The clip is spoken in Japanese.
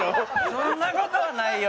そんな事はないよ